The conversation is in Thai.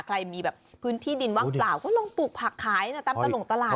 ใครมีแบบพื้นที่ดินว่างเปล่าก็ลองปลูกผักขายตามตลงตลาด